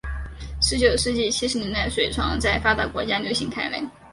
十九世纪七十年代水床在发达国家流行开来。